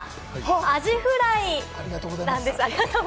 こちら、アジフライなんです。